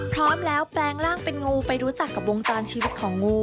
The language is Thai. พร้อมแล้วแปลงร่างเป็นงูไปรู้จักกับวงจรชีวิตของงู